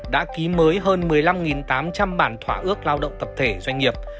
đã ký mới hơn một mươi năm tám trăm linh bản thỏa ước lao động tập thể doanh nghiệp